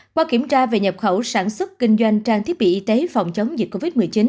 qua kiểm tra về nhập khẩu sản xuất kinh doanh trang thiết bị y tế phòng chống dịch covid một mươi chín